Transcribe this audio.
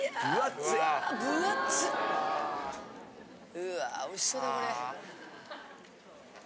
うわぁおいしそうだこれ。